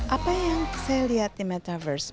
apa yang saya lihat di metaverse